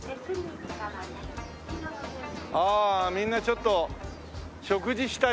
ああみんなちょっと食事したり。